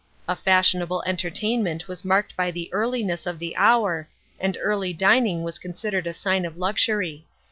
A fashionable entertain ment was marked by the earlmess of the hour, and early dining was considered a sign of luxury.